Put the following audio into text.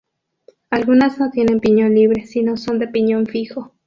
Algunas no tienen piñón libre, sino son de piñón fijo.